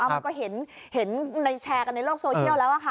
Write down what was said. มันก็เห็นในแชร์กันในโลกโซเชียลแล้วค่ะ